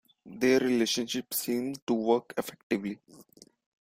Their relationship seemed to work effectively.